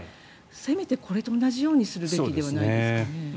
せめて、これと同じようにするべきではないですかね。